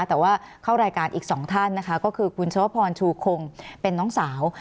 แต่ว่าเข้ารายการอีกสองท่านนะคะก็คือคุณชวพรชูคงเป็นน้องสาว